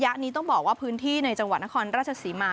นี้ต้องบอกว่าพื้นที่ในจังหวัดนครราชศรีมา